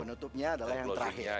penutupnya adalah yang terakhir